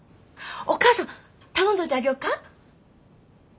お母さん頼んどいてあげようか。